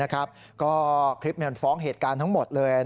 ก็คลิปมันฟ้องเหตุการณ์ทั้งหมดเลย